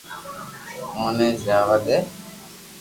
اوني جاوا دي